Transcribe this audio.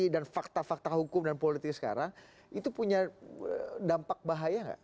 dan fakta fakta hukum dan politik sekarang itu punya dampak bahaya nggak